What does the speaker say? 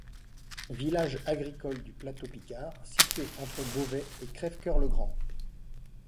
Village agricole du Plateau Picard, situé entre Beauvais et Crèvecœur-le-Grand.